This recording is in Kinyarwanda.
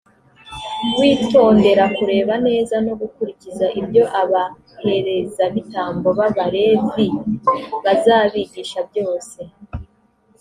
witondera kureba neza no gukurikiza ibyo abaherezabitambo b’abalevi bazabigisha byose.